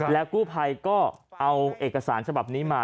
แล้วกู้ภัยก็เอาเอกสารฉบับนี้มา